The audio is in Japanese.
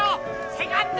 セカンド！